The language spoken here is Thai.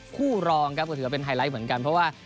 คู่รองครับก็ถือว่าเป็นไฮไลท์เหมือนกันเพราะว่า